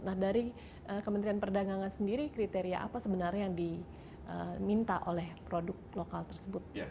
nah dari kementerian perdagangan sendiri kriteria apa sebenarnya yang diminta oleh produk lokal tersebut